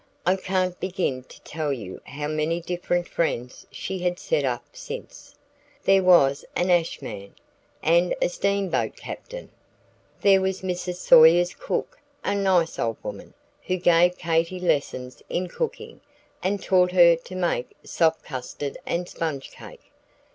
I can't begin to tell you how many different friends she had set up since then. There was an ash man, and a steam boat captain. There was Mrs. Sawyer's cook, a nice old woman, who gave Katy lessons in cooking, and taught her to make soft custard and sponge cake.